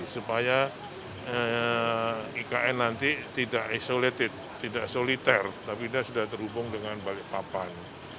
supaya ikn nanti tidak isolated tidak soliter tapi dia sudah terhubung dengan balikpapan